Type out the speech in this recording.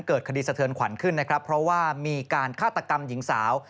เกิดคดีสะเทือนขวัญขึ้นนะครับเพราะว่ามีการฆาตกรรมหญิงสาว